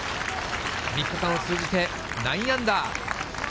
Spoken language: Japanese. ３日間を通じて９アンダー。